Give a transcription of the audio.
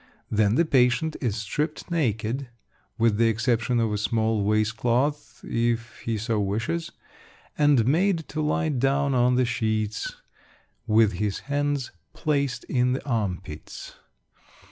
Then the patient is stripped naked (with the exception of a small waist cloth, if he so wishes), and made to lie down on the sheets, with his hands placed in the arm pits.